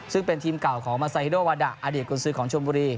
ซึ่งเป็นทีมเก่าของมาไซฮิโดวาดะอดีตกุญซื้อของชมบุรี